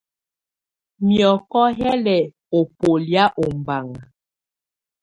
Miɔkɔ yɛ lɛ ɔ bɔlɛ̀á ɔmbaŋa.